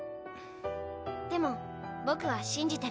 でも僕は信じてる。